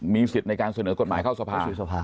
มีสิทธิ์ในการเสนอกฎหมายเข้าสภา